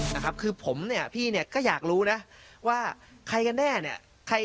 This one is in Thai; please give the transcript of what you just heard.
นะครับคือผมเนี่ยพี่เนี่ยก็อยากรู้นะว่าใครกันแน่เนี่ยใคร